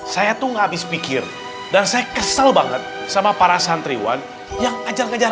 saya tuh abis pikir dan saya kesel banget sama para santriwan yang aja ngajar ngajar